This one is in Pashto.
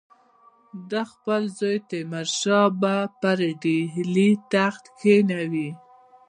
ده خپل زوی تیمورشاه به پر ډهلي تخت کښېنوي.